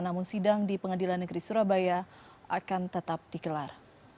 namun sidang di pengadilan negeri surabaya akan tetap digelar